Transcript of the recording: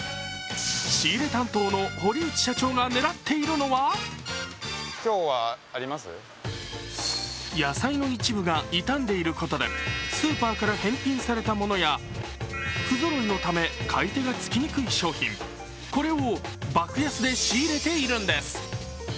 仕入担当の堀内社長が狙っているのは野菜の一部が傷んでいることでスーパーから返品されたものや不ぞろいのため買い手がつきにくい商品、これを爆安で仕入れているんです。